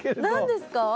何ですか？